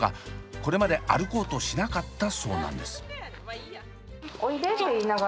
これまで歩こうとしなかったそうなんです。